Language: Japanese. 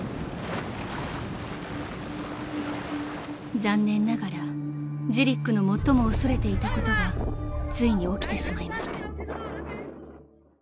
［残念ながらジリックの最も恐れていたことがついに起きてしまいました］